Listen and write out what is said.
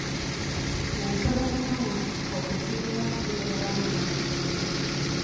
Ensolo ez'omu nsiko tezirina kubeera wamu n'abantu.